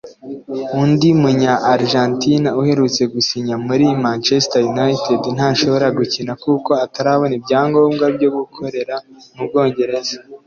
undi munya Argentina uherutse gusinya muri Manchester United ntashobora gukina kuko atarabona ibyangombwa byo gukorera mu Bwongereza